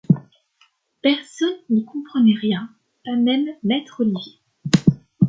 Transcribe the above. Personne n’y comprenait rien, pas même « maître Olivier ».